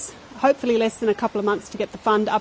semoga kurang dari beberapa bulan untuk mendapatkan dana